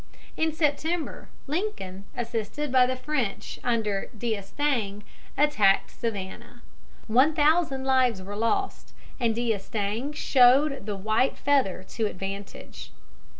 In September, Lincoln, assisted by the French under D'Estaing, attacked Savannah. One thousand lives were lost, and D'Estaing showed the white feather to advantage.